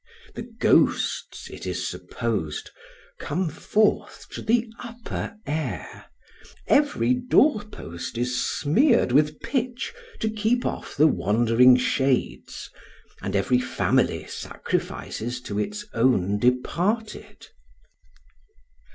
The ghosts, it is supposed, come forth to the upper air; every door post is smeared with pitch to keep off the wandering shades; and every family sacrifices to its own departed.